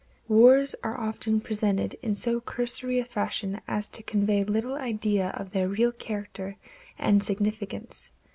Wars are often presented in so cursory a fashion as to convey little idea of their real character and significance.